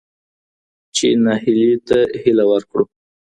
چې نهيلي ته هيله ورکړو.